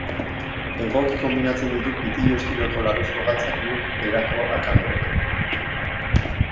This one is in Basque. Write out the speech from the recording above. Egoki konbinatzen ditu pitillo estiloko larruzko galtzak nude erako alkandorekin.